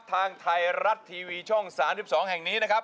ทางไทยรัฐทีวีช่อง๓๒แห่งนี้นะครับ